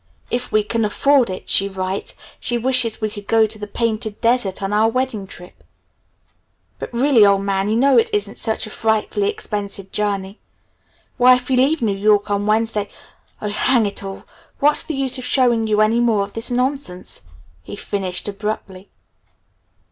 If we can 'afford it,' she writes, she 'wishes we could go to the Painted Desert on our wedding trip.' But really, old man, you know it isn't such a frightfully expensive journey. Why if you leave New York on Wednesday Oh, hang it all! What's the use of showing you any more of this nonsense?" he finished abruptly.